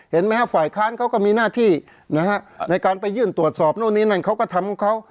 เห็นไหมฮะฝ่ายค้านเขาก็มีหน้าที่นะฮะในการไปยื่นตรวจสอบนู่นนี่นั่นเขาก็ทำของเขา